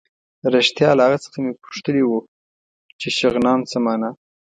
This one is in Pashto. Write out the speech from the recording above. رښتیا له هغه مې پوښتلي وو چې شغنان څه مانا.